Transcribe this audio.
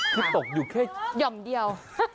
คือตกอยู่แค่หย่อมเดียว